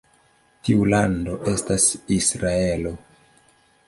Tiu lando estas Israelo.